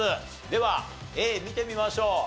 ではＡ見てみましょう。